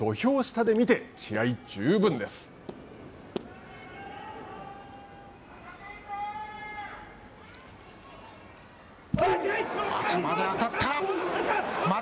頭で当たった。